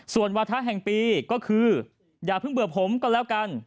ส่วนวาทะแห่งปีก็คืออย่าเพิ่งเบื่อผมก็แล้วกัน